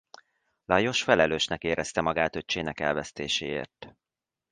Lajos felelősnek érezte magát öccsének elvesztéséért.